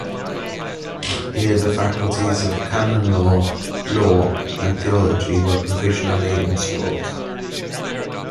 Here the Faculties of Canon Law, Law and Theology were provisionally installed.